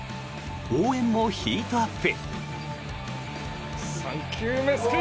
応援もヒートアップ。